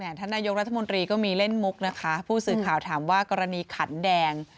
ท่านนายกรัฐมนตรีก็มีเล่นมุกนะคะผู้สื่อข่าวถามว่ากรณีขันแดง